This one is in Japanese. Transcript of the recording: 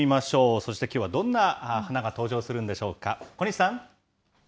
そしてきょうはどんな花が登場するんでしょうか。